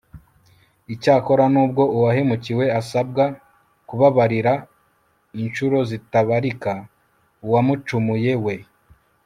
icyakora n'ubwo uwahemukiwe asabwa kubabarira inshuro zitabarika, uwacumuye we